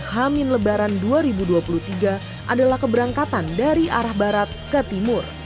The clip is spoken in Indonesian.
hamin lebaran dua ribu dua puluh tiga adalah keberangkatan dari arah barat ke timur